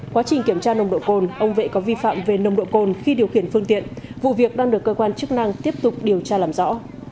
quá trình kiểm tra nồng độ cồn ông vệ có vi phạm về nồng độ cồn khi điều khiển phương tiện vụ việc đang được cơ quan chức năng tiếp tục điều tra làm rõ